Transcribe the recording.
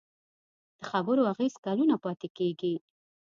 د خبرو اغېز کلونه پاتې کېږي.